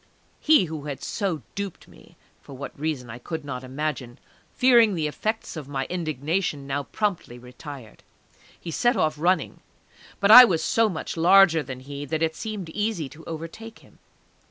He who had so duped me (for what reason I could not imagine), fearing the effects of my indignation, now promptly retired. He set off running; but I was so much larger than he that it seemed easy to overtake him.